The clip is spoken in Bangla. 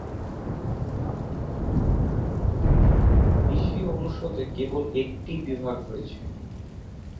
কৃষি অনুষদে কেবল একটিই বিভাগ রয়েছে।